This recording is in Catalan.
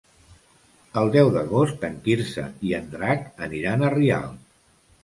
El deu d'agost en Quirze i en Drac aniran a Rialp.